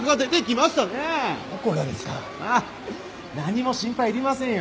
まあ何も心配いりませんよ